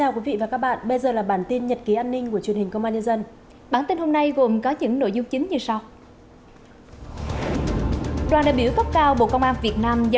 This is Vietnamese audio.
các bạn hãy đăng ký kênh để ủng hộ kênh của chúng mình nhé